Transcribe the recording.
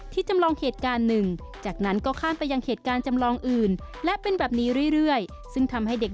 ที่จำลองเหตุการณ์หนึ่ง